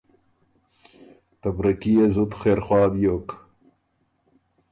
ته بره کي يې زُت خېرخواه بیوک